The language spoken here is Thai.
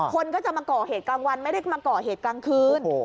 คนก็จะมาก่อเหตุกลางวันไม่ได้มาก่อเหตุกลางคืน